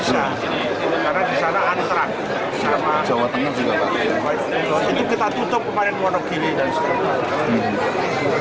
itu kita tutup kemarin monok gini dan sebagainya